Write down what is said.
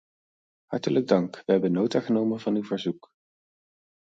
Hartelijk dank, we hebben nota genomen van uw verzoek.